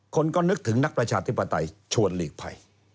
คนก็นึกถึงนักประชาธิปไตยชวนหลีกภัย